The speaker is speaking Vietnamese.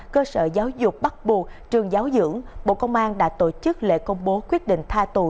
cơ sở giáo dục bắt buộc trường giáo dưỡng bộ công an đã tổ chức lễ công bố quyết định tha tù